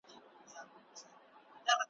د کلو خمار وهلي تشوي به پیالې خپلي ,